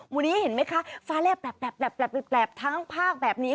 วันนี้เห็นไหมคะฟ้าแร่แปบทั้งภาคแบบนี้